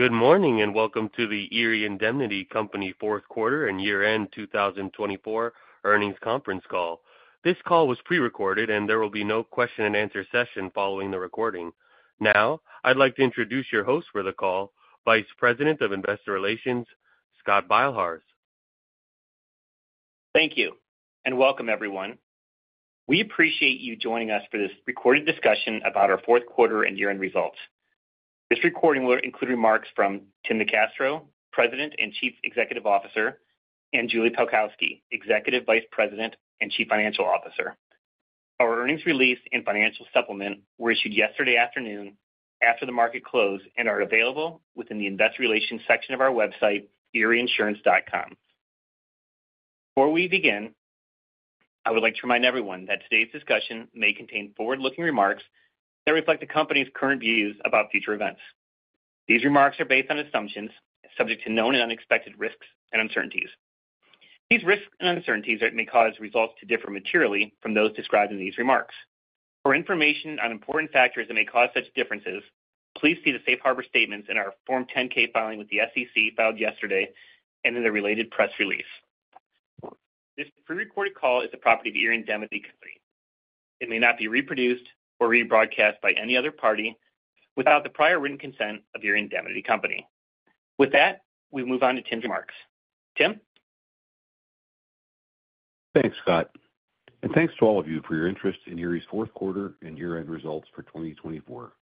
Good morning and welcome to the Erie Indemnity Company fourth quarter and year-end 2024 earnings conference call. This call is pre-recorded, and there will be no question-and-answer session following the recording. Now, I'd like to introduce your host for the call, Vice President of Investor Relations, Scott Beilharz. Thank you and welcome, everyone. We appreciate you joining us for this recorded discussion about our fourth quarter and year-end results. This recording will include remarks from Tim NeCastro, President and Chief Executive Officer, and Julie Pelkowski, Executive Vice President and Chief Financial Officer. Our earnings release and financial supplement were issued yesterday afternoon after the market closed and are available within the Investor Relations section of our website, erieinsurance.com. Before we begin, I would like to remind everyone that today's discussion may contain forward-looking remarks that reflect the company's current views about future events. These remarks are based on assumptions subject to known and unexpected risks and uncertainties. These risks and uncertainties may cause results to differ materially from those described in these remarks. For information on important factors that may cause such differences, please see the Safe Harbor statements in our Form 10-K filing with the SEC filed yesterday and in the related press release. This pre-recorded call is the property of Erie Indemnity Company. It may not be reproduced or rebroadcast by any other party without the prior written consent of Erie Indemnity Company. With that, we move on to Tim's remarks. Tim? Thanks, Scott, and thanks to all of you for your interest in Erie's fourth quarter and year-end results for 2024.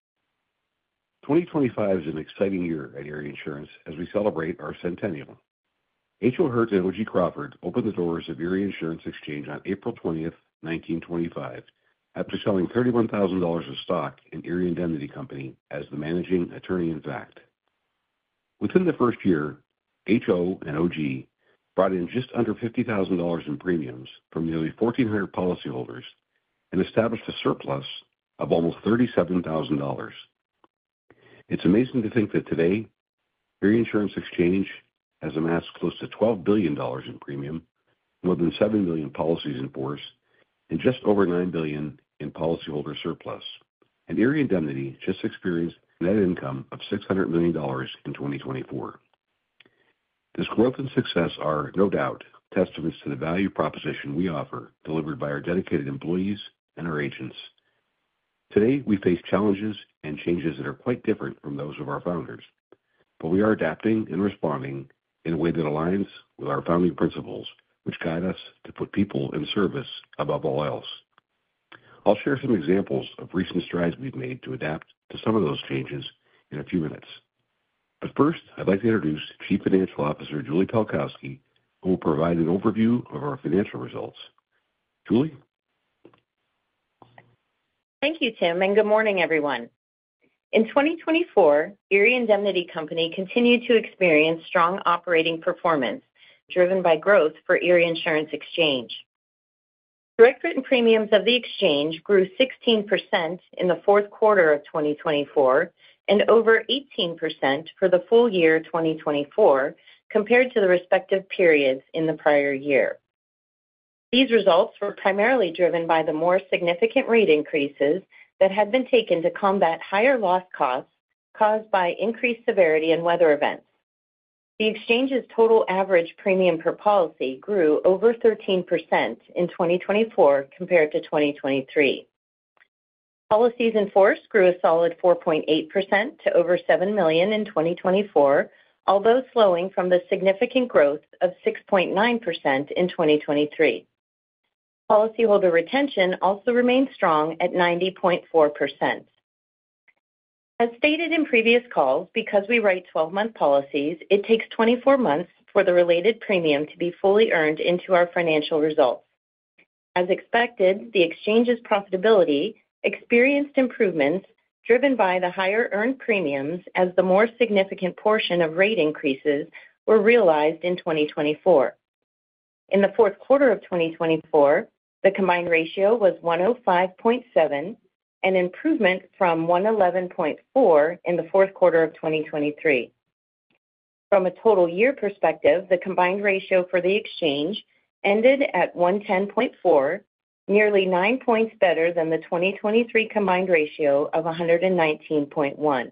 2025 is an exciting year at Erie Insurance as we celebrate our centennial. H.O. Hirt and O.G. Crawford opened the doors of Erie Insurance Exchange on April 20th, 1925, after selling $31,000 of stock in Erie Indemnity Company as the managing attorney-in-fact. Within the first year, H.O. and O.G. brought in just under $50,000 in premiums from nearly 1,400 policyholders and established a surplus of almost $37,000. It's amazing to think that today, Erie Insurance Exchange has amassed close to $12 billion in premium, more than 7 million policies in force, and just over 9 billion in policyholder surplus, and Erie Indemnity just experienced net income of $600 million in 2024. This growth and success are, no doubt, testaments to the value proposition we offer delivered by our dedicated employees and our agents. Today, we face challenges and changes that are quite different from those of our founders, but we are adapting and responding in a way that aligns with our founding principles, which guide us to put people in service above all else. I'll share some examples of recent strides we've made to adapt to some of those changes in a few minutes. But first, I'd like to introduce Chief Financial Officer Julie Pelkowski, who will provide an overview of our financial results. Julie? Thank you, Tim, and good morning, everyone. In 2024, Erie Indemnity Company continued to experience strong operating performance driven by growth for Erie Insurance Exchange. Direct written premiums of the Exchange grew 16% in the fourth quarter of 2024 and over 18% for the full year 2024 compared to the respective periods in the prior year. These results were primarily driven by the more significant rate increases that had been taken to combat higher loss costs caused by increased severity and weather events. The Exchange's total average premium per policy grew over 13% in 2024 compared to 2023. Policies in force grew a solid 4.8% to over 7 million in 2024, although slowing from the significant growth of 6.9% in 2023. Policyholder retention also remained strong at 90.4%. As stated in previous calls, because we write 12-month policies, it takes 24 months for the related premium to be fully earned into our financial results. As expected, the Exchange's profitability experienced improvements driven by the higher earned premiums as the more significant portion of rate increases were realized in 2024. In the fourth quarter of 2024, the combined ratio was 105.7, an improvement from 111.4 in the fourth quarter of 2023. From a total year perspective, the combined ratio for the Exchange ended at 110.4, nearly 9 points better than the 2023 combined ratio of 119.1.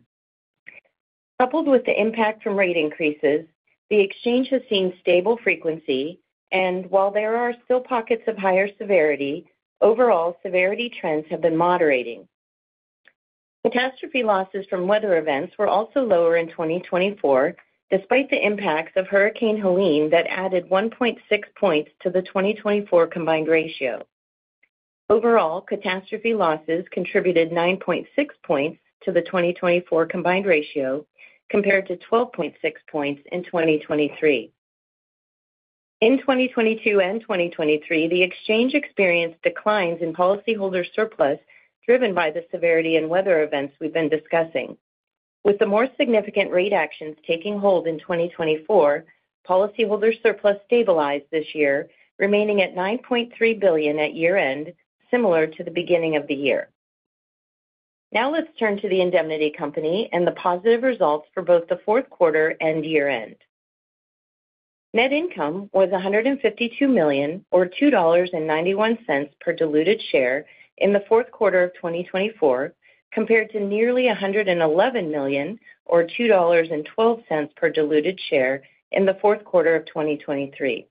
Coupled with the impact from rate increases, the Exchange has seen stable frequency, and while there are still pockets of higher severity, overall severity trends have been moderating. Catastrophe losses from weather events were also lower in 2024, despite the impacts of Hurricane Helene that added 1.6 points to the 2024 combined ratio. Overall, catastrophe losses contributed 9.6 points to the 2024 combined ratio compared to 12.6 points in 2023. In 2022 and 2023, the Exchange experienced declines in policyholder surplus driven by the severity and weather events we've been discussing. With the more significant rate actions taking hold in 2024, policyholder surplus stabilized this year, remaining at $9.3 billion at year-end, similar to the beginning of the year. Now let's turn to the Indemnity Company and the positive results for both the fourth quarter and year-end. Net income was $152 million, or $2.91 per diluted share in the fourth quarter of 2024, compared to nearly $111 million, or $2.12 per diluted share in the fourth quarter of 2023.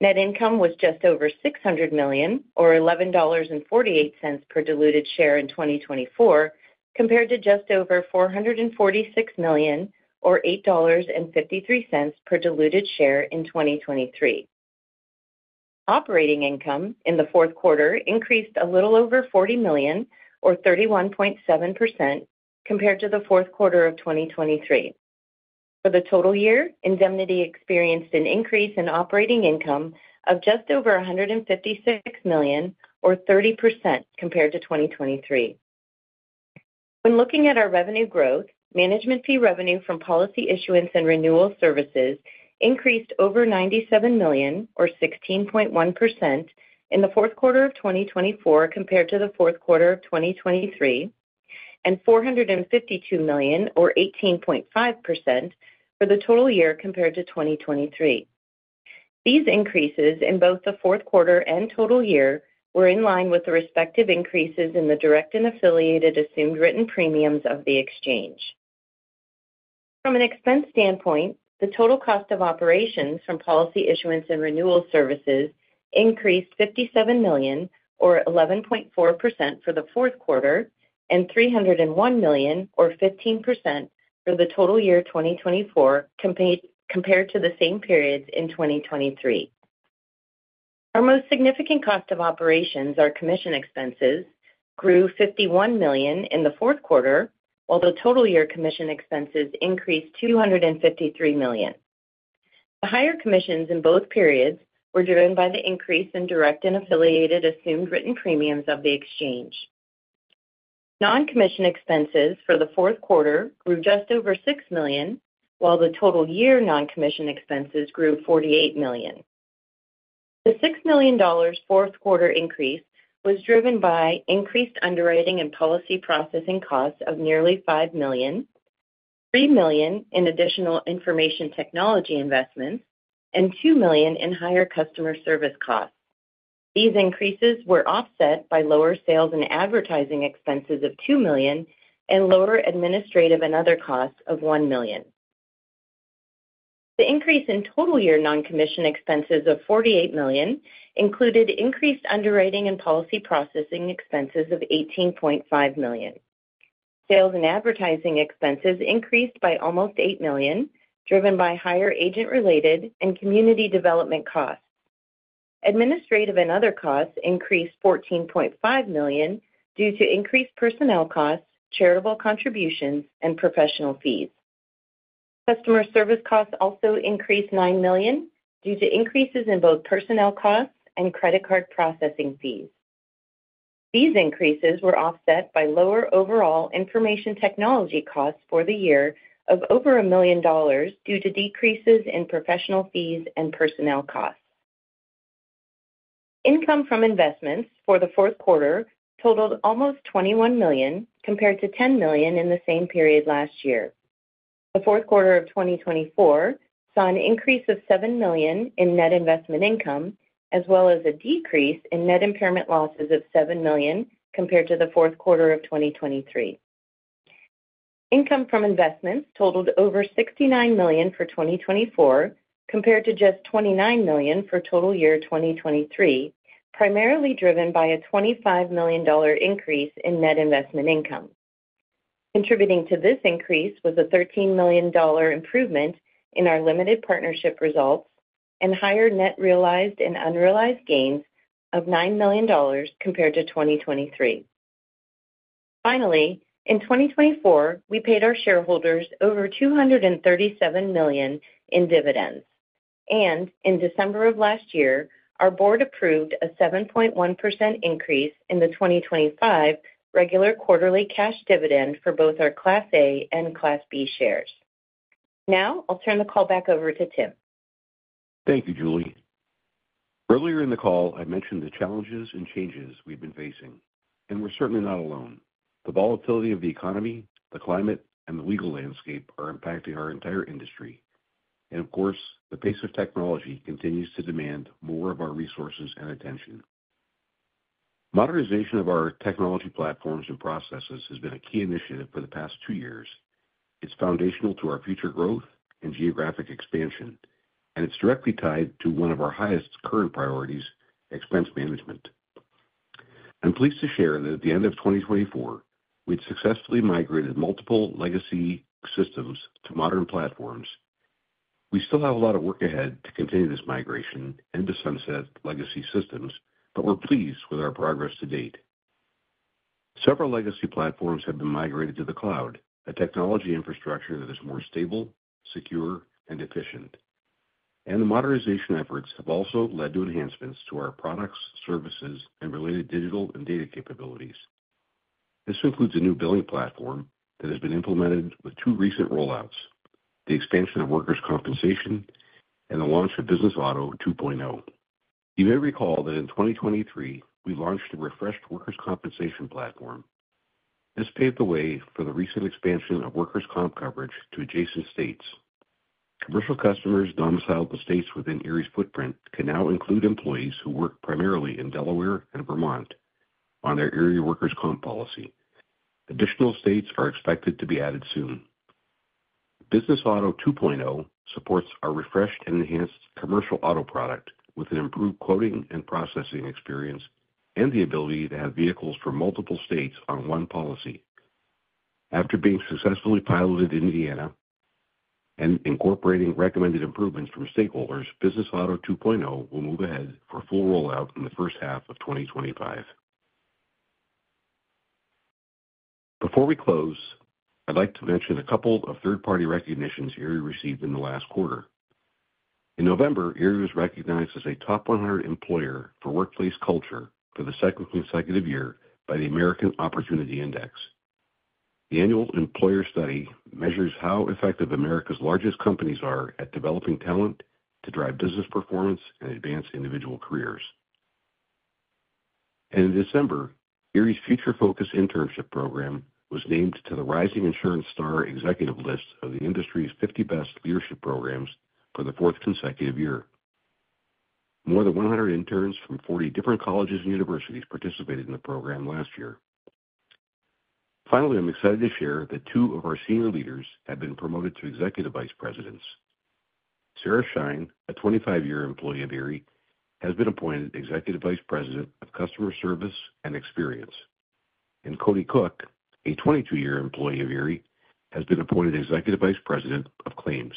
Net income was just over $600 million, or $11.48 per diluted share in 2024, compared to just over $446 million, or $8.53 per diluted share in 2023. Operating income in the fourth quarter increased a little over $40 million, or 31.7%, compared to the fourth quarter of 2023. For the total year, Indemnity experienced an increase in operating income of just over $156 million, or 30%, compared to 2023. When looking at our revenue growth, management fee revenue from policy issuance and renewal services increased over $97 million, or 16.1%, in the fourth quarter of 2024 compared to the fourth quarter of 2023, and $452 million, or 18.5%, for the total year compared to 2023. These increases in both the fourth quarter and total year were in line with the respective increases in the direct and affiliated assumed written premiums of the Exchange. From an expense standpoint, the total cost of operations from policy issuance and renewal services increased $57 million, or 11.4%, for the fourth quarter, and $301 million, or 15%, for the total year 2024 compared to the same periods in 2023. Our most significant cost of operations, our commission expenses, grew $51 million in the fourth quarter, while the total year commission expenses increased $253 million. The higher commissions in both periods were driven by the increase in direct and affiliated assumed written premiums of the Exchange. Non-commission expenses for the fourth quarter grew just over $6 million, while the total year non-commission expenses grew $48 million. The $6 million fourth quarter increase was driven by increased underwriting and policy processing costs of nearly $5 million, $3 million in additional information technology investments, and $2 million in higher customer service costs. These increases were offset by lower sales and advertising expenses of $2 million and lower administrative and other costs of $1 million. The increase in total year non-commission expenses of $48 million included increased underwriting and policy processing expenses of $18.5 million. Sales and advertising expenses increased by almost $8 million, driven by higher agent-related and community development costs. Administrative and other costs increased $14.5 million due to increased personnel costs, charitable contributions, and professional fees. Customer service costs also increased $9 million due to increases in both personnel costs and credit card processing fees. These increases were offset by lower overall information technology costs for the year of over $1 million due to decreases in professional fees and personnel costs. Income from investments for the fourth quarter totaled almost $21 million compared to $10 million in the same period last year. The fourth quarter of 2024 saw an increase of $7 million in net investment income, as well as a decrease in net impairment losses of $7 million compared to the fourth quarter of 2023. Income from investments totaled over $69 million for 2024 compared to just $29 million for total year 2023, primarily driven by a $25 million increase in net investment income. Contributing to this increase was a $13 million improvement in our limited partnership results and higher net realized and unrealized gains of $9 million compared to 2023. Finally, in 2024, we paid our shareholders over $237 million in dividends. And in December of last year, our board approved a 7.1% increase in the 2025 regular quarterly cash dividend for both our Class A and Class B shares. Now I'll turn the call back over to Tim. Thank you, Julie. Earlier in the call, I mentioned the challenges and changes we've been facing, and we're certainly not alone. The volatility of the economy, the climate, and the legal landscape are impacting our entire industry, and of course, the pace of technology continues to demand more of our resources and attention. Modernization of our technology platforms and processes has been a key initiative for the past two years. It's foundational to our future growth and geographic expansion, and it's directly tied to one of our highest current priorities, expense management. I'm pleased to share that at the end of 2024, we'd successfully migrated multiple legacy systems to modern platforms. We still have a lot of work ahead to continue this migration and to sunset legacy systems, but we're pleased with our progress to date. Several legacy platforms have been migrated to the cloud, a technology infrastructure that is more stable, secure, and efficient. And the modernization efforts have also led to enhancements to our products, services, and related digital and data capabilities. This includes a new billing platform that has been implemented with two recent rollouts: the expansion of workers' compensation and the launch of Business Auto 2.0. You may recall that in 2023, we launched a refreshed workers' compensation platform. This paved the way for the recent expansion of workers' comp coverage to adjacent states. Commercial customers domiciled in states within Erie's footprint can now include employees who work primarily in Delaware and Vermont on their Erie workers' comp policy. Additional states are expected to be added soon. Business Auto 2.0 supports our refreshed and enhanced commercial auto product with an improved quoting and processing experience and the ability to have vehicles from multiple states on one policy. After being successfully piloted in Indiana and incorporating recommended improvements from stakeholders, Business Auto 2.0 will move ahead for full rollout in the first half of 2025. Before we close, I'd like to mention a couple of third-party recognitions Erie received in the last quarter. In November, Erie was recognized as a top 100 employer for workplace culture for the second consecutive year by the American Opportunity Index. The annual employer study measures how effective America's largest companies are at developing talent to drive business performance and advance individual careers, and in December, Erie's Future Focus Internship Program was named to the Rising Insurance Star Executives list of the industry's 50 best leadership programs for the fourth consecutive year. More than 100 interns from 40 different colleges and universities participated in the program last year. Finally, I'm excited to share that two of our senior leaders have been promoted to executive vice presidents. Sarah Shine, a 25-year employee of Erie, has been appointed Executive Vice President of Customer Service and Experience, and Cody Cook, a 22-year employee of Erie, has been appointed Executive Vice President of Claims.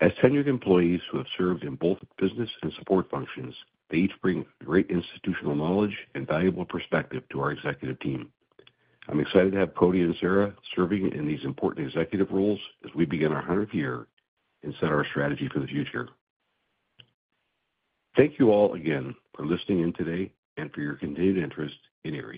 As tenured employees who have served in both business and support functions, they each bring great institutional knowledge and valuable perspective to our executive team. I'm excited to have Cody and Sarah serving in these important executive roles as we begin our 100th year and set our strategy for the future. Thank you all again for listening in today and for your continued interest in Erie.